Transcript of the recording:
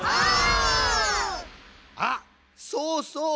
あっそうそう。